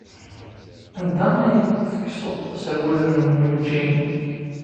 Anda ay tekkseḍ aserwal-nnem n ujin?